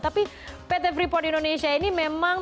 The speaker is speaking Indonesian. tapi pt freeport indonesia ini memang